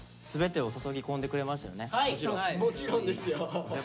もちろんですよ。